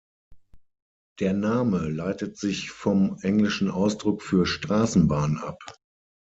Der Name leitet sich vom englischen Ausdruck für Straßenbahn ab.